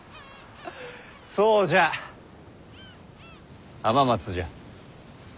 そうじゃ浜松じゃ。